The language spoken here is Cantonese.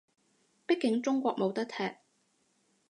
畢竟中國冇得踢